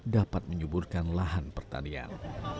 dapat menyuburkan lahan pertanian